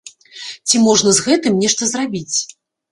Ці можна з гэтым нешта зрабіць?